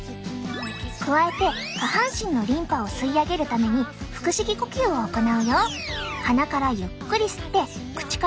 加えて下半身のリンパを吸い上げるために腹式呼吸を行うよ。